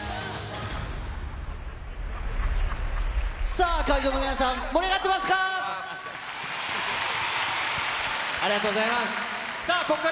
さあ、会場の皆さん、盛り上がってますか。